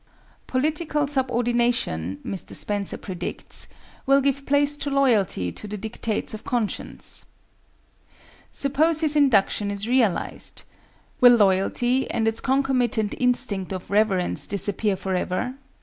] Political subordination, Mr. Spencer predicts, will give place to loyalty to the dictates of conscience. Suppose his induction is realized—will loyalty and its concomitant instinct of reverence disappear forever?